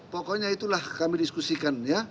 pokoknya itulah kami diskusikan ya